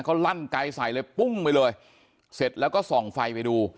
เขาลั่นไกลใส่เลยปุ้งไปเลยเสร็จแล้วก็ส่องไฟไปดู